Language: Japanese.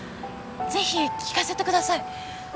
ぜひ聞かせてください！